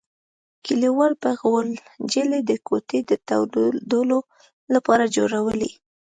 کلیوالو به غوجلې د کوټې د تودولو لپاره جوړولې.